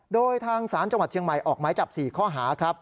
โดยทางศาลจังหวัดเชียงใหม่ออกหมายจับ๔ข้อหาครับ